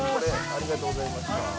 ありがとうございます。